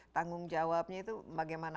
tanggung jawabnya itu bagaimana